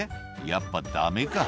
「やっぱダメか」